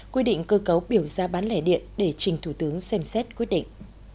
quy định cơ cấu biểu giá bán lẻ điện để trình thủ tướng xem xét quyết định